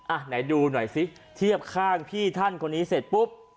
อ่ะไหนดูหน่อยซิเทียบข้างพี่ท่านคนนี้เสร็จปุ๊บ